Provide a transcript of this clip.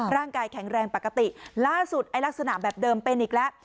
ร่างกายแข็งแรงปกติล่าสุดไอ้ลักษณะแบบเดิมเป็นอีกแล้ว